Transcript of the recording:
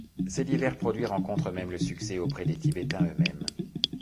Ces divers produits rencontrent même le succès auprès des Tibétains eux-mêmes.